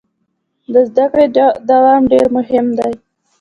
د زده کړې دوام ډیر مهم دی.